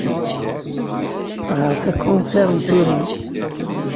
Ɣer-s akunsir n turin.